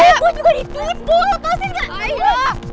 aku juga ditulis gue lo kasih gak